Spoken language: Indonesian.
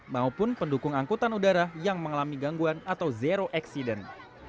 maupun pendukung angkutan udara yang mengalami gangguan atau zero accident